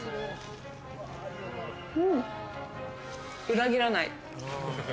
裏切らない。